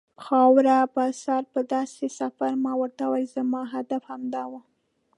خاورې په سر پر داسې سفر، ما ورته وویل: زما هدف هم همدا و.